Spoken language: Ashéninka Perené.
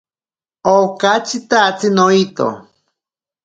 Okatyitatsi noito.